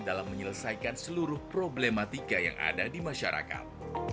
dalam menyelesaikan seluruh problematika yang ada di masyarakat